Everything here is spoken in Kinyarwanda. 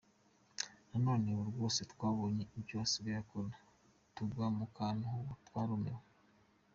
None ubu rwose twabonye ibyo asigaye akora tugwa mu kantu ubu twarumiwe.